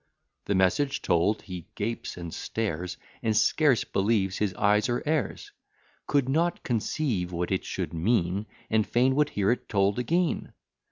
The message told, he gapes, and stares, And scarce believes his eyes or ears: Could not conceive what it should mean, And fain would hear it told again.